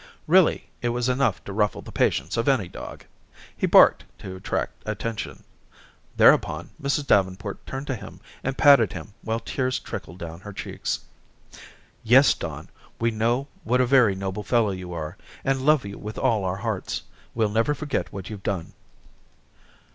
Really, it was enough to ruffle the patience of any dog. He barked to attract attention. Thereupon, Mrs. Davenport turned to him, and patted him while tears trickled down her cheeks. "Yes, Don, we know what a very noble fellow you are, and love you with all our hearts. We'll never forget what you've done."